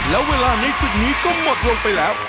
แล้วเวลาในศึกนี้ก็หมดลงไปแล้ว